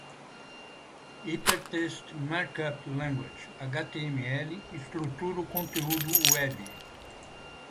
Hypertext Markup Language (HTML) estrutura o conteúdo web.